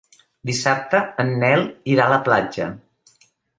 Dissabte en Nel irà a la platja.